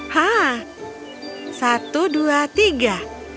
hah satu dua tiga